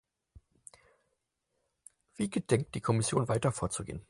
Wie gedenkt die Kommission weiter vorzugehen?